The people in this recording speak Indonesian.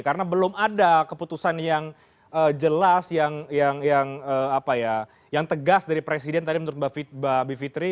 karena belum ada keputusan yang jelas yang tegas dari presiden tadi menurut mbak bivitri